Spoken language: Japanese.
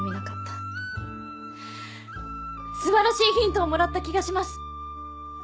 素晴らしいヒントをもらった気がします！